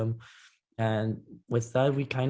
dan dengan itu kita membangun jaringan